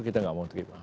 kita enggak mau terima